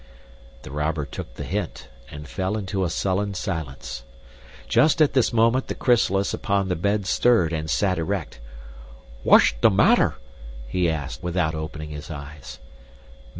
The robber took the hint, and fell into a sullen silence. Just at this moment the chrysalis upon the bed stirred and sat erect. "What's the matter?" he asked, without opening his eyes.